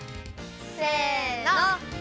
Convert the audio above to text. せの。